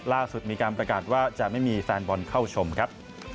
ล่าสุดมีการประกาศว่าจะไม่มีแฟนบอลเข้าชมครับ